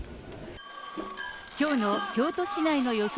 きょうの京都市内の予想